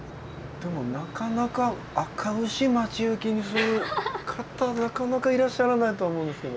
でもなかなかあかうし待ち受けにする方なかなかいらっしゃらないと思うんですけど。